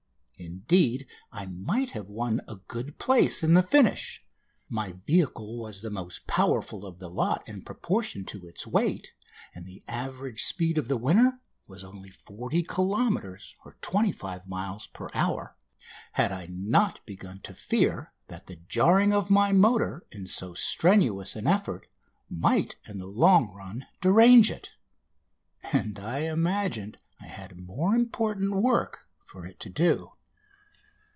Indeed, I might have won a good place in the finish my vehicle was the most powerful of the lot in proportion to its weight, and the average speed of the winner was only 40 kilometres (25 miles) per hour had I not begun to fear that the jarring of my motor in so strenuous an effort might in the long run derange it, and I imagined I had more important work for it to do.